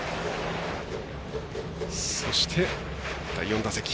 そして、第４打席。